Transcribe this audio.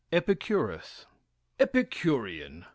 W. EPICURUS Epicurean.